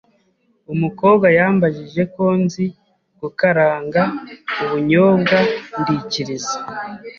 Umukobwa yambajije ko nzi gukaranga ubunyobwa ndikiriza,